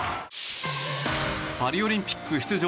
パリオリンピック出場